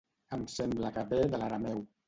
Em sembla que ve de l'arameu.